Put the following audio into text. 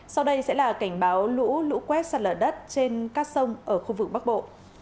sau đây sẽ là cảnh báo lũ lũ quét sạt lở đất trên các sông ở khu vực bắc bộ